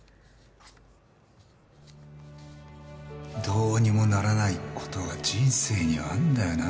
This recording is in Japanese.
どうにもならない事が人生にはあるんだよな。